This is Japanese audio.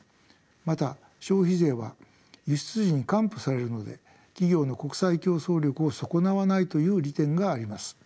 また消費税は輸出時に還付されるので企業の国際競争力を損なわないという利点があります。